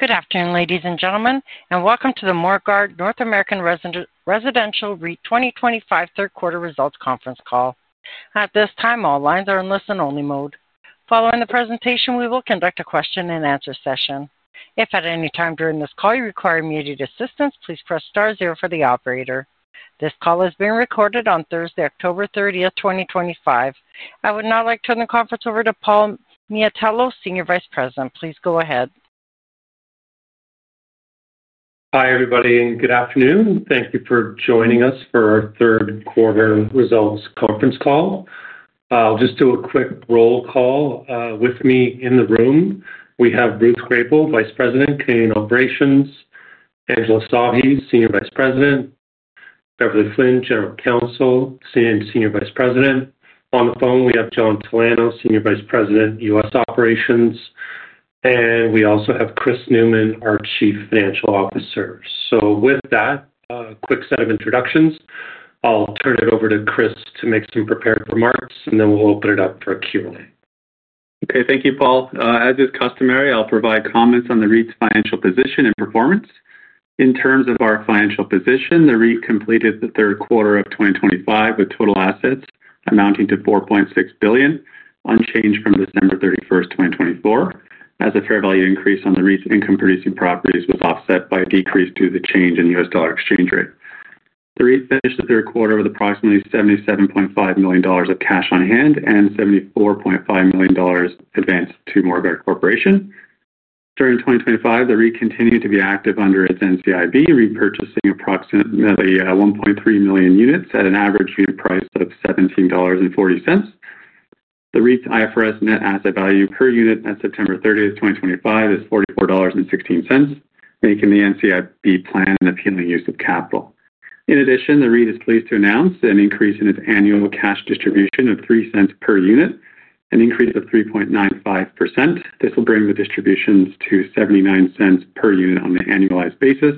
Good afternoon, ladies and gentlemen, and welcome to the Morguard North American Residential REIT 2025 Third-Quarter Results Conference Call. At this time, all lines are in listen-only mode. Following the presentation, we will conduct a question-and-answer session. If at any time during this call you require immediate assistance, please press star zero for the operator. This call is being recorded on Thursday, October 30, 2025. I would now like to turn the conference over to Paul Miatello, Senior Vice President. Please go ahead. Hi, everybody, and good afternoon. Thank you for joining us for our third-quarter results conference call. I'll just do a quick roll call. With me in the room, we have Ruth Grabel, Vice President, Canadian Operations, Angela Sahi, Senior Vice President, and Beverley Flynn, General Counsel and Senior Vice President. On the phone, we have John Talano, Senior Vice President, U.S. Operations, and we also have Chris Newman, our Chief Financial Officer. With that, a quick set of introductions, I'll turn it over to Chris to make some prepared remarks, and then we'll open it up for a Q&A. Okay. Thank you, Paul. As is customary, I'll provide comments on the REIT's financial position and performance. In terms of our financial position, the REIT completed the third quarter of 2025 with total assets amounting to $4.6 billion, unchanged from December 31, 2024, as a fair value increase on the REIT's income-producing properties was offset by a decrease due to the change in U.S. dollar exchange rate. The REIT finished the third quarter with approximately $77.5 million of cash on hand and $74.5 million advanced to Morguard Corporation. During 2025, the REIT continued to be active under its NCIB, repurchasing approximately 1.3 million units at an average unit price of $17.40. The REIT's IFRS net asset value per unit as of September 30, 2025, is $44.16, making the NCIB plan an appealing use of capital. In addition, the REIT is pleased to announce an increase in its annual cash distribution of $0.03 per unit, an increase of 3.95%. This will bring the distributions to $0.79 per unit on an annualized basis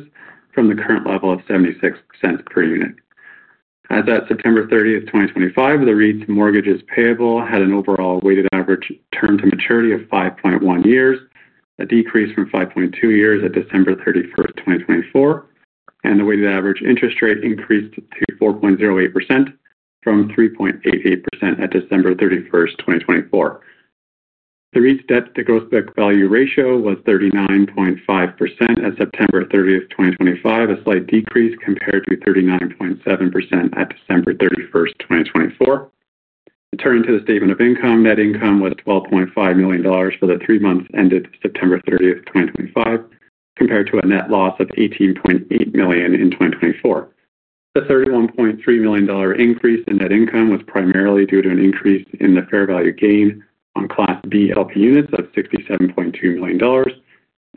from the current level of $0.76 per unit. As of September 30, 2025, the REIT's mortgages payable had an overall weighted average term to maturity of 5.1 years, a decrease from 5.2 years at December 31, 2024, and the weighted average interest rate increased to 4.08% from 3.88% at December 31, 2024. The REIT's debt-to-gross-book-value ratio was 39.5% as of September 30, 2025, a slight decrease compared to 39.7% at December 31, 2024. Turning to the statement of income, net income was $12.5 million for the three months ended September 30, 2025, compared to a net loss of $18.8 million in 2024. The $31.3 million increase in net income was primarily due to an increase in the fair value gain on Class B LP Units of $67.2 million.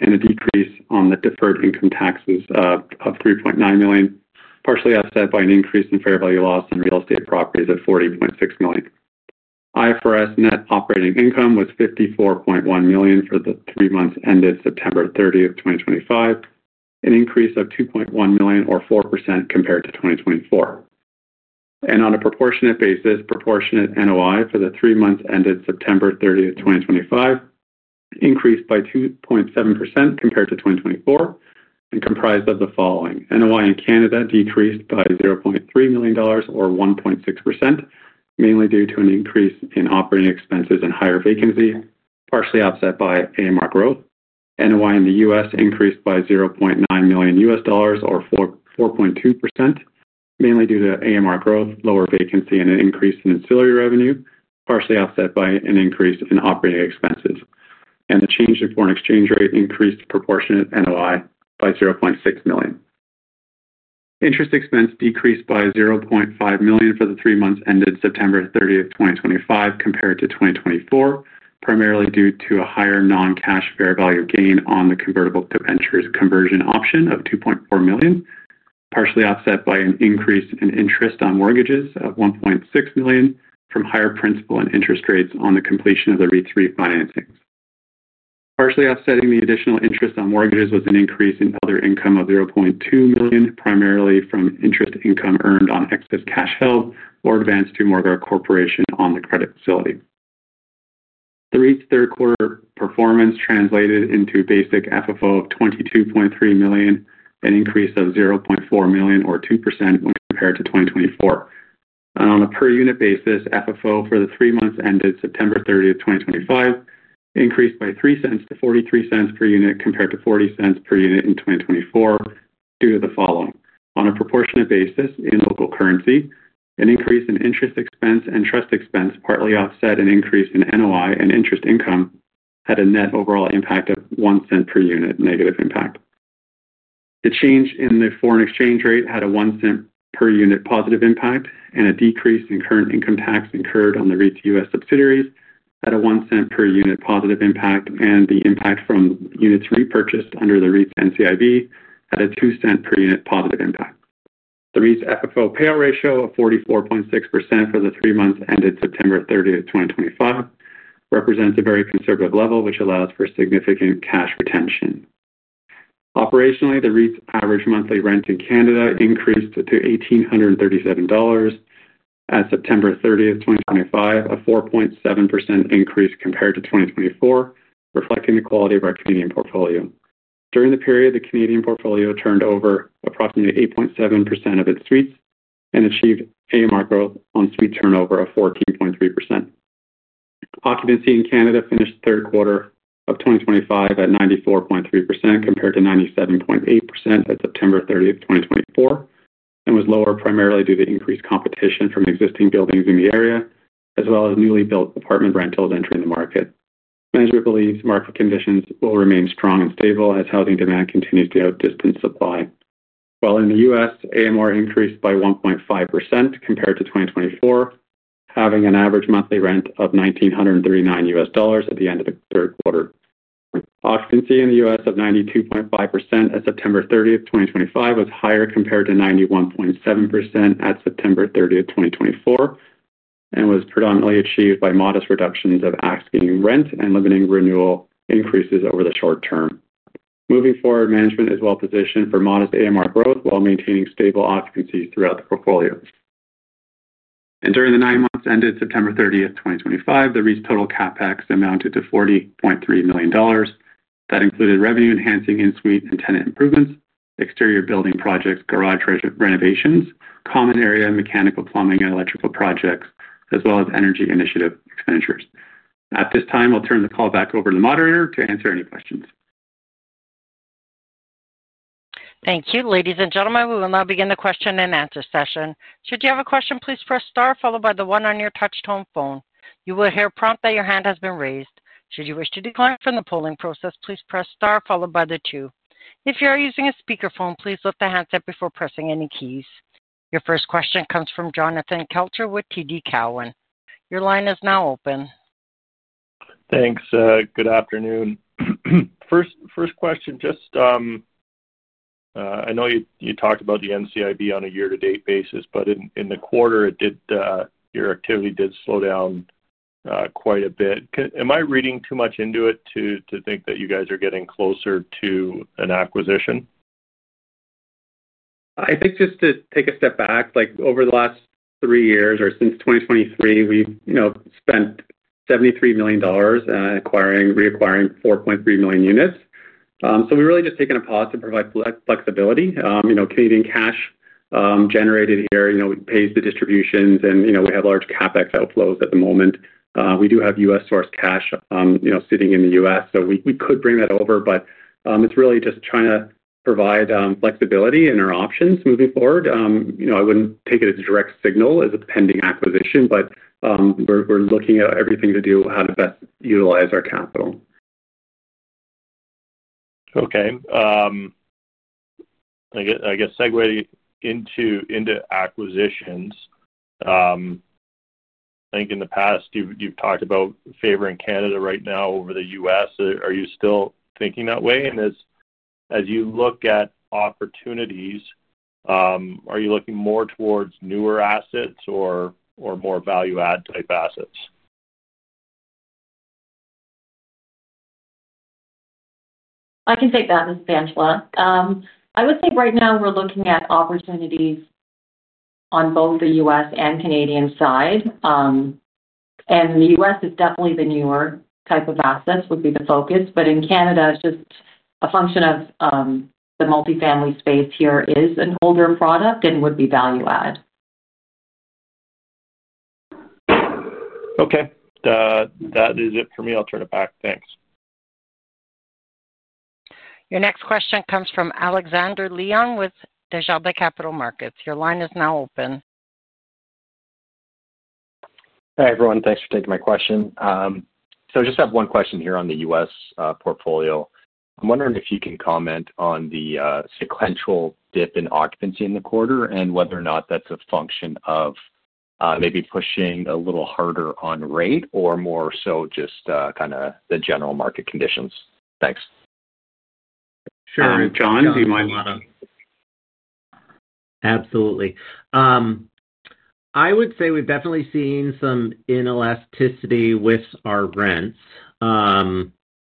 A decrease on the deferred income taxes of $3.9 million, partially offset by an increase in fair value loss in real estate properties of $40.6 million. IFRS net operating income was $54.1 million for the three months ended September 30, 2025, an increase of $2.1 million, or 4%, compared to 2024. On a proportionate basis, proportionate NOI for the three months ended September 30, 2025, increased by 2.7% compared to 2024, and comprised of the following. NOI in Canada decreased by $0.3 million, or 1.6%, mainly due to an increase in operating expenses and higher vacancy, partially offset by AMR growth. NOI in the U.S. increased by $0.9 million, or 4.2%, mainly due to AMR growth, lower vacancy, and an increase in ancillary revenue, partially offset by an increase in operating expenses. The change in foreign exchange rate increased proportionate NOI by $0.6 million. Interest expense decreased by $0.5 million for the three months ended September 30, 2025, compared to 2024, primarily due to a higher non-cash fair value gain on the convertible venture's conversion option of $2.4 million, partially offset by an increase in interest on mortgages of $1.6 million from higher principal and interest rates on the completion of the REIT's refinancings. Partially offsetting the additional interest on mortgages was an increase in other income of $0.2 million, primarily from interest income earned on excess cash held or advanced to Morguard Corporation on the credit facility. The REIT's third-quarter performance translated into basic FFO of $22.3 million, an increase of $0.4 million, or 2% when compared to 2024. On a per-unit basis, FFO for the three months ended September 30, 2025, increased by $0.03 to $0.43 per unit compared to $0.40 per unit in 2024, due to the following, on a proportionate basis, in local currency, an increase in interest expense and trust expense partly offset an increase in NOI and interest income had a net overall impact of $0.01 per unit, negative impact. The change in the foreign exchange rate had a $0.01 per unit positive impact, a decrease in current income tax incurred on the REIT's U.S. subsidiaries had a $0.01 per unit positive impact, and the impact from units repurchased under the REIT's NCIB had a $0.02 per unit positive impact. The REIT's FFO payout ratio of 44.6% for the three months ended September 30, 2025, represents a very conservative level, which allows for significant cash retention. Operationally, the REIT's average monthly rent in Canada increased to $1,837 as of September 30, 2025, a 4.7% increase compared to 2024, reflecting the quality of our Canadian portfolio. During the period, the Canadian portfolio turned over approximately 8.7% of its suites and achieved AMR growth on suite turnover of 14.3%. Occupancy in Canada finished the third quarter of 2025 at 94.3% compared to 97.8% as of September 30, 2024, and was lower primarily due to increased competition from existing buildings in the area, as well as newly built apartment rentals entering the market. Management believes market conditions will remain strong and stable as housing demand continues to outdistance supply. While in the U.S., AMR increased by 1.5% compared to 2024, having an average monthly rent of $1,939 at the end of the third quarter. Occupancy in the U.S. of 92.5% as of September 30, 2025, was higher compared to 91.7% as of September 30, 2024, and was predominantly achieved by modest reductions of asking rent and limiting renewal increases over the short term. Moving forward, management is well-positioned for modest AMR growth while maintaining stable occupancy throughout the portfolio. During the nine months ended September 30, 2025, the REIT's total CapEx amounted to $40.3 million. That included revenue-enhancing in-suite and tenant improvements, exterior building projects, garage renovations, common area, mechanical, plumbing, and electrical projects, as well as energy initiative expenditures. At this time, I'll turn the call back over to the moderator to answer any questions. Thank you. Ladies and gentlemen, we will now begin the question-and-answer session. Should you have a question, please press star followed by the one on your touch-tone phone. You will hear a prompt that your hand has been raised. Should you wish to decline from the polling process, please press star followed by the two. If you are using a speakerphone, please lift the handset before pressing any keys. Your first question comes from Jonathan Kelcher with TD Cowen. Your line is now open. Thanks. Good afternoon. First question, I know you talked about the NCIB on a year-to-date basis, but in the quarter [EBITDA], your activity did slow down quite a bit. Am I reading too much into it to think that you guys are getting closer to an acquisition? I think just to take a step back, over the last three years or since 2023, we've spent $73 million in acquiring, reacquiring 4.3 million units. We're really just taking a pause to provide flexibility. Canadian cash generated here, we pay the distributions, and we have large CapEx outflows at the moment. We do have U.S. source cash sitting in the U.S., so we could bring that over, but it's really just trying to provide flexibility in our options moving forward. I wouldn't take it as a direct signal as a pending acquisition. We're looking at everything to do how to best utilize our capital. Okay. I guess segueing into acquisitions, I think in the past you've talked about favoring Canada right now over the U.S.. Are you still thinking that way? As you look at opportunities, are you looking more towards newer assets or more value-add type assets? I can take that, this is Angela. I would say right now we're looking at opportunities on both the U.S. and Canadian side. The U.S. is definitely the newer type of assets would be the focus, but in Canada, it's just a function of the multifamily space here is an older product and would be value-add. Okay, that is it for me. I'll turn it back. Thanks. Your next question comes from Alexander Leon with Desjardins Capital Markets. Your line is now open. Hi, everyone. Thanks for taking my question. I just have one question here on the U.S. portfolio. I'm wondering if you can comment on the sequential dip in occupancy in the quarter and whether or not that's a function of maybe pushing a little harder on rate or more so just kind of the general market conditions. Thanks. Sure. John, do you mind add on? Absolutely. I would say we've definitely seen some inelasticity with our rents,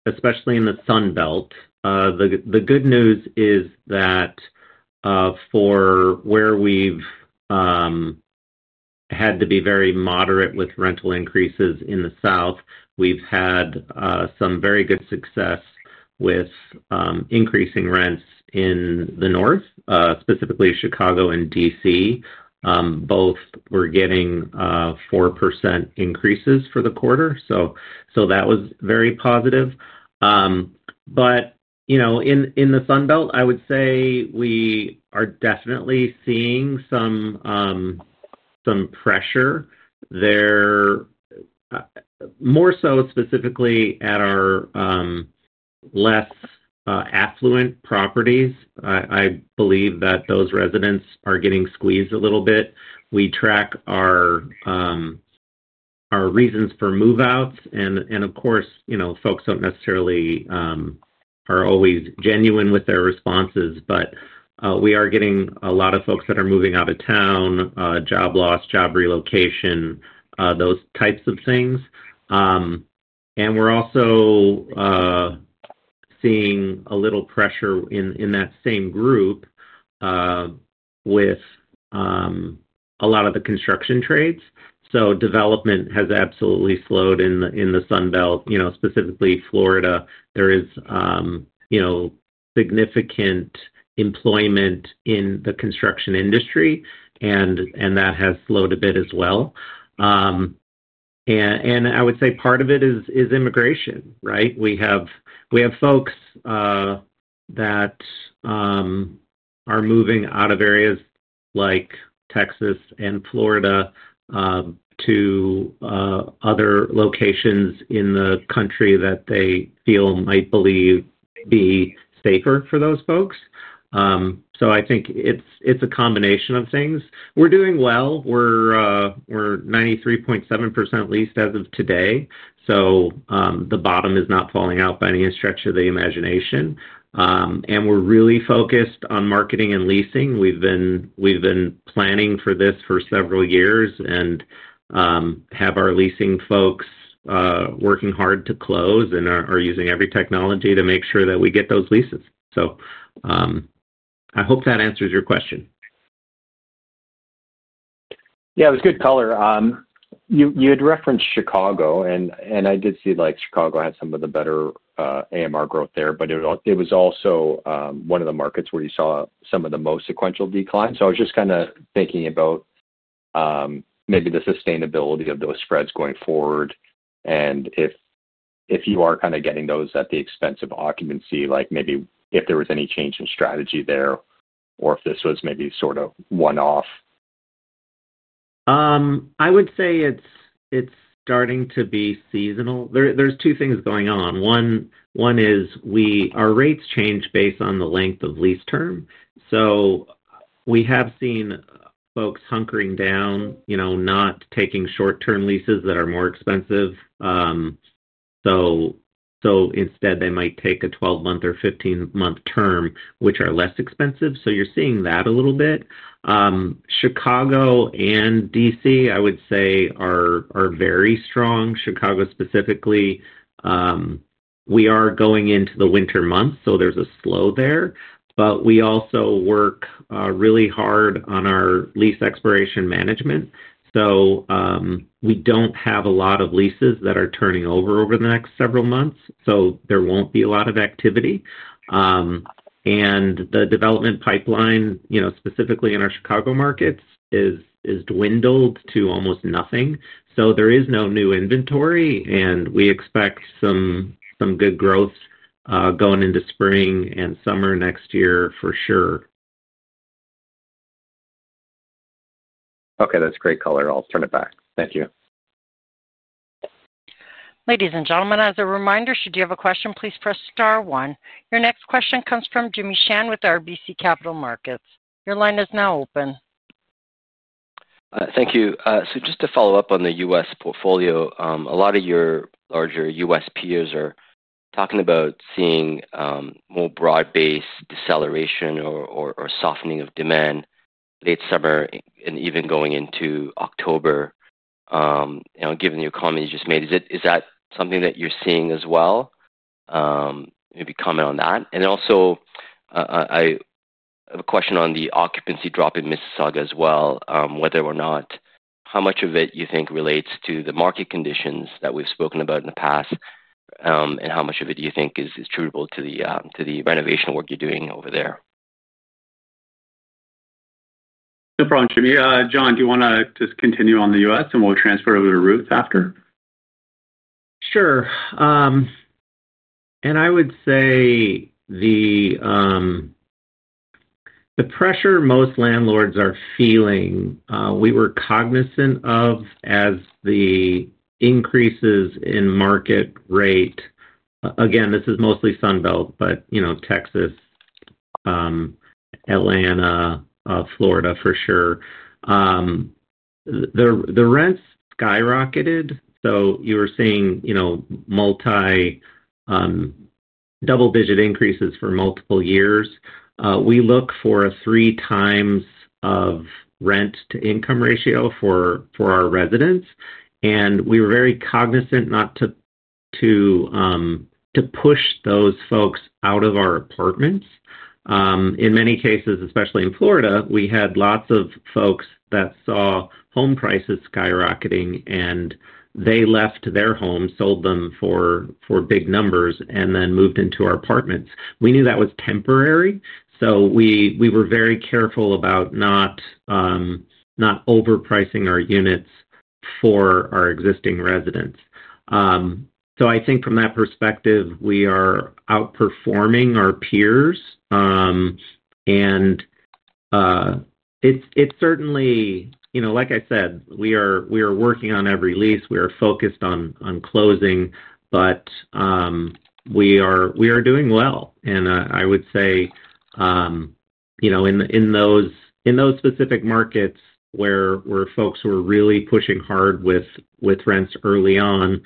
especially in the Sun Belt. The good news is that for where we've had to be very moderate with rental increases in the South, we've had some very good success with increasing rents in the North, specifically Chicago and Washington, D.C. Both were getting 4% increases for the quarter, so that was very positive. In the Sun Belt, I would say we are definitely seeing some pressure there, more so specifically at our less affluent properties. I believe that those residents are getting squeezed a little bit. We track our reasons for move-outs, and of course, folks don't necessarily always are genuine with their responses, but we are getting a lot of folks that are moving out of town, job loss, job relocation, those types of things. We're also seeing a little pressure in that same group with a lot of the construction trades. Development has absolutely slowed in the Sun Belt. Specifically, Florida, there is significant employment in the construction industry, and that has slowed a bit as well. I would say part of it is immigration, right? We have folks that are moving out of areas like Texas and Florida to other locations in the country that they feel might be safer for those folks. I think it's a combination of things. We're doing well. We're 93.7% leased as of today, so the bottom is not falling out by any stretch of the imagination. We're really focused on marketing and leasing. We've been planning for this for several years and have our leasing folks working hard to close and are using every technology to make sure that we get those leases. I hope that answers your question. Yeah, it was good color. You had referenced Chicago, and I did see Chicago had some of the better AMR growth there, but it was also one of the markets where you saw some of the most sequential decline. I was just kind of thinking about maybe the sustainability of those spreads going forward. If you are kind of getting those at the expense of occupancy, like maybe if there was any change in strategy there or if this was maybe sort of one-off. I would say it's starting to be seasonal. There are two things going on. One is our rates change based on the length of lease term. We have seen folks hunkering down, not taking short-term leases that are more expensive. Instead, they might take a 12-month or 15-month term, which are less expensive. You're seeing that a little bit. Chicago and Washington, D.C., I would say, are very strong. Chicago, specifically, we are going into the winter months, so there's a slow there. We also work really hard on our lease expiration management. We don't have a lot of leases that are turning over over the next several months, so there won't be a lot of activity. The development pipeline, specifically in our Chicago markets, has dwindled to almost nothing. There is no new inventory, and we expect some good growth going into spring and summer next year for sure. Okay. That's great color. I'll turn it back. Thank you. Ladies and gentlemen, as a reminder, should you have a question, please press star one. Your next question comes from Jimmy Shan with RBC Capital Markets. Your line is now open. Thank you. Just to follow up on the U.S. portfolio, a lot of your larger U.S. peers are talking about seeing more broad-based deceleration or softening of demand late summer and even going into October. Given the comment you just made, is that something that you're seeing as well? Maybe comment on that. I have a question on the occupancy drop in Mississauga as well, whether or not how much of it you think relates to the market conditions that we've spoken about in the past, and how much of it do you think is due to the renovation work you're doing over there. No problem, Jimmy. John, do you want to just continue on the U.S. and we'll transfer over to Ruth after? Sure. I would say the pressure most landlords are feeling, we were cognizant of as the increases in market rate. Again, this is mostly Sun Belt, but Texas, Atlanta, Florida for sure. The rents skyrocketed. You were seeing multi double-digit increases for multiple years. We look for a 3x rent to income ratio for our residents, and we were very cognizant not to push those folks out of our apartments. In many cases, especially in Florida, we had lots of folks that saw home prices skyrocketing, and they left their homes, sold them for big numbers, and then moved into our apartments. We knew that was temporary. We were very careful about not overpricing our units for our existing residents. I think from that perspective, we are outperforming our peers. It is certainly, like I said, we are working on every lease. We are focused on closing, but we are doing well. I would say in those specific markets where folks were really pushing hard with rents early on,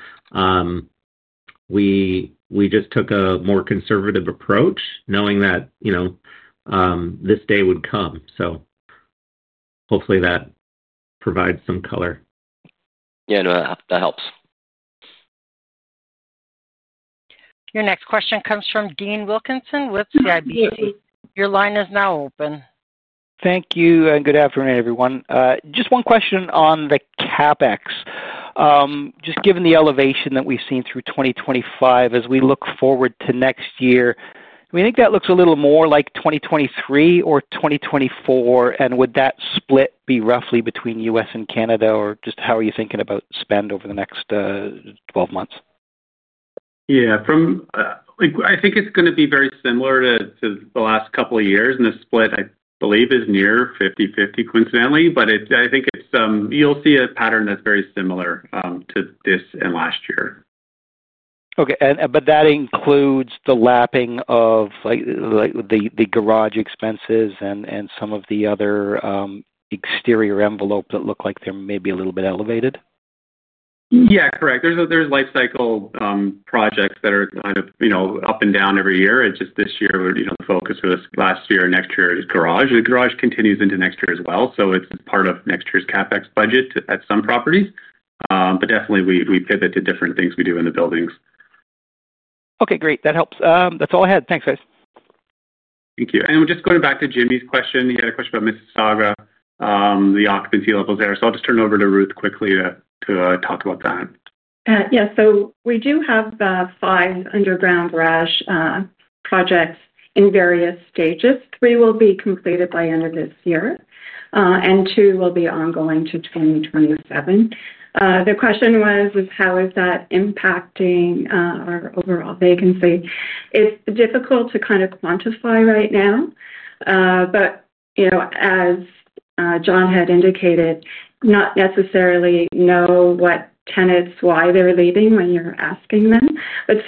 we just took a more conservative approach, knowing that this day would come. Hopefully that provides some color. Yeah, that helps. Your next question comes from Dean Wilkinson with CIBC. Your line is now open. Thank you. Good afternoon, everyone. Just one question on the CapEx. Given the elevation that we've seen through 2025, as we look forward to next year, do we think that looks a little more like 2023 or 2024? Would that split be roughly between the U.S. and Canada, or how are you thinking about spend over the next 12 months? I think it's going to be very similar to the last couple of years. The split, I believe, is near 50/50, coincidentally. I think you'll see a pattern that's very similar to this and last year. Okay, that includes the lapping of the garage expenses and some of the other exterior envelopes that look like they're maybe a little bit elevated? Yeah, correct. There are life cycle projects that are kind of up and down every year. It's just this year the focus was last year and next year is garage. The garage continues into next year as well. It's part of next year's CapEx budget at some properties. We pivot to different things we do in the buildings. Okay, great. That helps. That's all I had. Thanks, guys. Thank you. Just going back to Jimmy's question, he had a question about Mississauga, the occupancy levels there. I'll just turn it over to Ruth quickly to talk about that. Yeah. We do have five underground garage projects in various stages. Three will be completed by the end of this year, and two will be ongoing to 2027. The question was, how is that impacting our overall vacancy? It's difficult to kind of quantify right now. As John had indicated, not necessarily know what tenants, why they're leaving when you're asking them.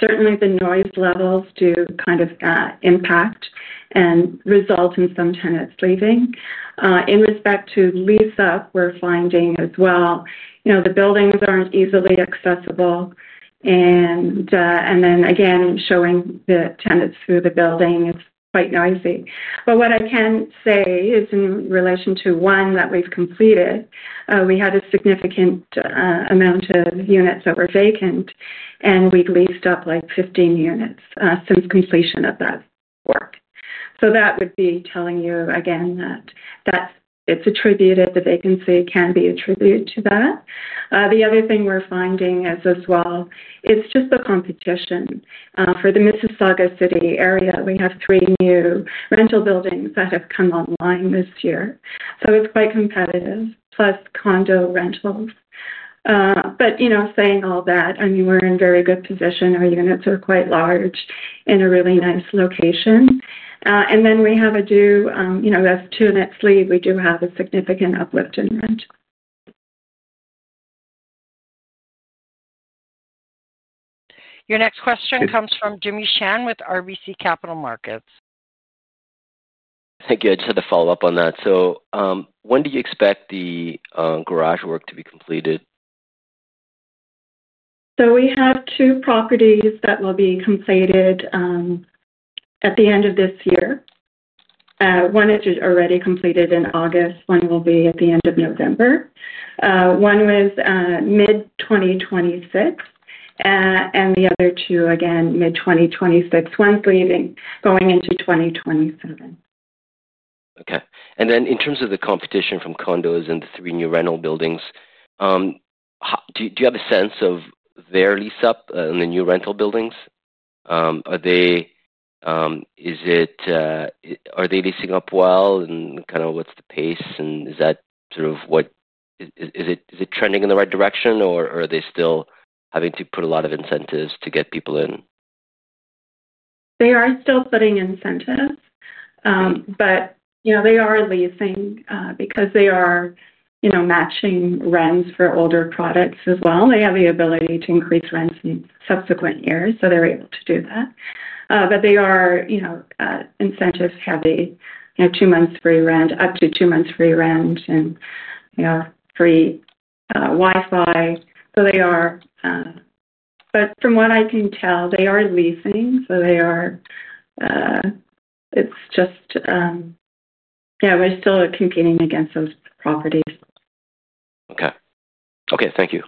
Certainly, the noise levels do kind of impact and result in some tenants leaving. In respect to lease-up, we're finding as well, the buildings aren't easily accessible. Showing the tenants through the building is quite noisy. What I can say is in relation to one that we've completed, we had a significant amount of units that were vacant, and we've leased up like 15 units since completion of that work. That would be telling you again that it's attributed, the vacancy can be attributed to that. The other thing we're finding as well is just the competition. For the Mississauga City area, we have three new rental buildings that have come online this year. It's quite competitive, plus condo rentals. Saying all that, I mean, we're in a very good position. Our units are quite large in a really nice location. We have a due, as two minutes leave, we do have a significant uplift in rent. Your next question comes from Jimmy Shan with RBC Capital Markets. Thank you. I just had to follow up on that. When do you expect the garage work to be completed? We have two properties that will be completed at the end of this year. One is already completed in August, and one will be at the end of November. One was mid-2026, and the other two, again, mid-2026. One's leaving, going into 2027. Okay. In terms of the competition from condos and the three new rental buildings, do you have a sense of their lease-up in the new rental buildings? Are they leasing up well, and what's the pace? Is it trending in the right direction, or are they still having to put a lot of incentives to get people in? They are still putting incentives, but they are leasing because they are matching rents for older products as well. They have the ability to increase rents in subsequent years, so they're able to do that. They are incentive-heavy, two months free rent, up to two months free rent, and free Wi-Fi. From what I can tell, they are leasing, so it's just, yeah, we're still competing against those properties. Okay. Thank you.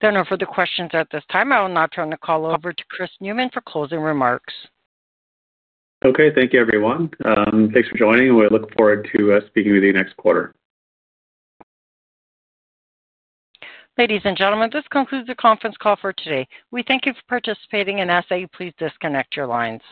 There are no further questions at this time. I will now turn the call over to Chris Newman for closing remarks. Okay. Thank you, everyone. Thanks for joining. We look forward to speaking with you next quarter. Ladies and gentlemen, this concludes the conference call for today. We thank you for participating and ask that you please disconnect your lines.